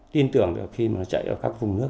tin tưởng khi nó chạy vào các vùng nước